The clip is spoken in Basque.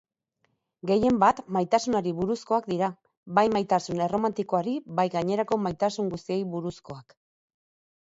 Gehienbat maitasunari buruzkoak dira, bai maitasun erromantikoari bai gainerako maitasun guztiei buruzkoak.